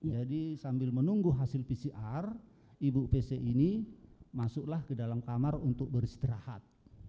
jadi sambil menunggu hasil pcr ibu pc ini masuklah ke dalam kamar untuk beristirahat